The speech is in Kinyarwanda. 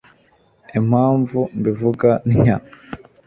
impamvu mbivuga ntya